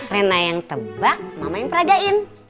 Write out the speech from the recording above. rena yang tebak mama yang peragain